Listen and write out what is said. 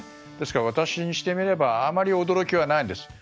ですから、私にしてみればあまり驚きはないです。